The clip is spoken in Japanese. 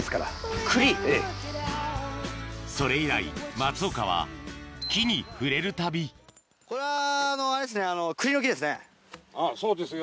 それ以来松岡は木に触れるたびそうですよ。